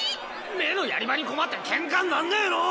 目のやり場に困って喧嘩になんねぇの！